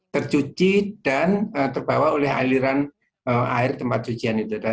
tercuci dan terbawa oleh aliran air tempat cucian itu